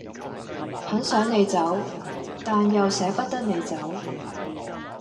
很想你走，但又捨不得你走